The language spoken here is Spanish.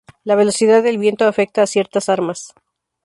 La velocidad del viento afecta a ciertas armas.